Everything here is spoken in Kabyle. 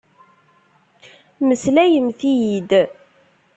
Meslayemt-iyi-d!